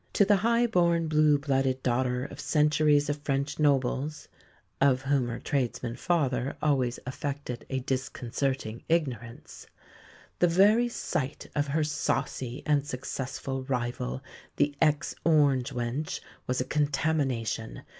To the high born, blue blooded daughter of centuries of French nobles (of whom her tradesman father always affected a disconcerting ignorance) the very sight of her saucy and successful rival, the ex orange wench, was a contamination.